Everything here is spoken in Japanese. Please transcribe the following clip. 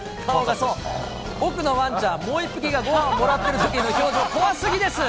そう、奥のわんちゃん、もう一匹がごはんもらってるときの表情、怖すぎです。